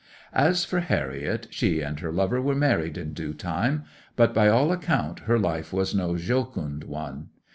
'As for Harriet, she and her lover were married in due time; but by all account her life was no jocund one.